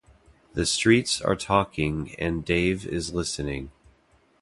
The streets are talking and Dave is listening.